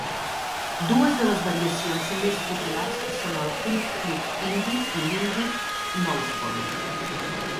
Dues de les variacions més populars són el kickflip Indy i l'Indy nosebone.